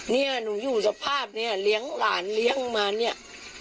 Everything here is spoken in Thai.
เนี่ยหนูอยู่สภาพเนี่ยเลี้ยงหลานเลี้ยงมาเนี่ย